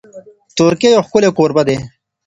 ترکیه یو ښکلی کوربه دی.